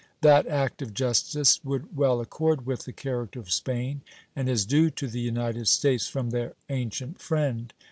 That act of justice would well accord with the character of Spain, and is due to the United States from their ancient friend.